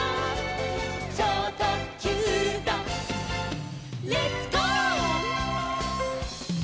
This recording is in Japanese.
「ちょうとっきゅうだレッツ・ゴー！」